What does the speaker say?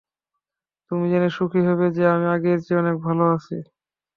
তুমি জেনে সুখী হবে যে, আমি আগের চেয়ে অনেক ভাল আছি।